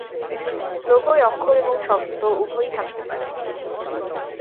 লোগোয় অক্ষর এবং শব্দ উভয়ই থাকতে পারে।